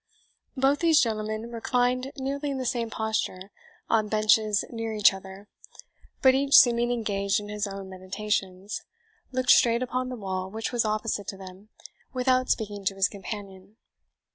Both these gentlemen reclined nearly in the same posture on benches near each other; but each seeming engaged in his own meditations, looked straight upon the wall which was opposite to them, without speaking to his companion.